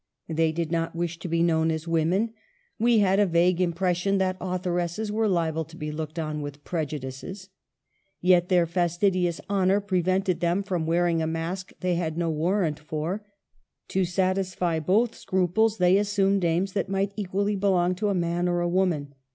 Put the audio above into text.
They did not wish to be known as women :" we had a vague impres sion that authoresses are liable to be looked on with prejudices;" yet their fastidious honor prevented them from wearing a mask they had no warrant for ; to satisfy both scruples they assumed names that might equally belong to a man or a woman.